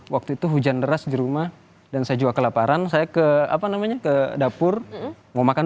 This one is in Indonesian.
waktu itu hujan deras di rumah dan saya juga kelaparan saya ke apa namanya ke dapur mau makan